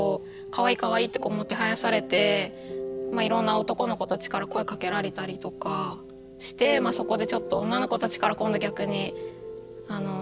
かわいいかわいいってもてはやされていろんな男の子たちから声かけられたりとかしてそこでちょっと女の子たちから今度逆にあの。